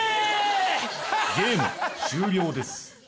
ゲーム終了です。